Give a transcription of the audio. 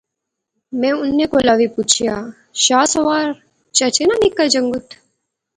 میں انیں کولا وی پچھیا، شاہ سوار چچے ناں نکا جنگت۔۔۔۔؟